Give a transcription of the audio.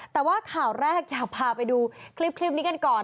แต่ว่าข่าวแรกอยากพาไปดูคลิปนี้กันก่อน